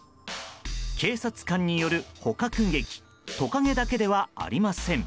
警察官による捕獲劇トカゲだけではありません。